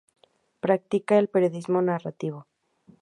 Practica el periodismo narrativo.